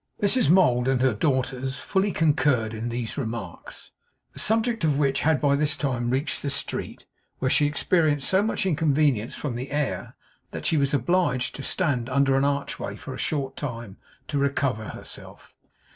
Mrs Mould and her daughters fully concurred in these remarks; the subject of which had by this time reached the street, where she experienced so much inconvenience from the air, that she was obliged to stand under an archway for a short time, to recover herself.